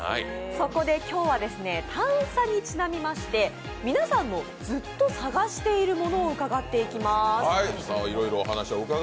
そこで今日は探査にちなみまして皆さんのずっと探しているものを伺っていきます。